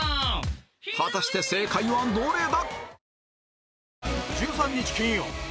果たして正解はどれだ？